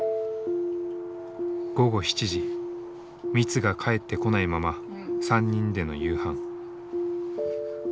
午後７時ミツが帰ってこないまま３人での夕飯。